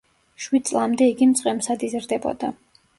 შვიდ წლამდე იგი მწყემსად იზრდებოდა.